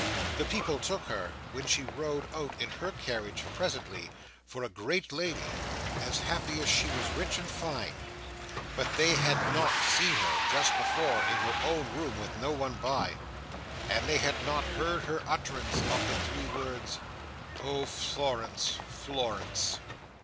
The people took her, when she rode out in her carriage presently, for a great lady, as happy as she was rich and fine. But they had not seen her, just before, in her own room with no one by; and they had not heard her utterance of the three words, "Oh Florence, Florence!"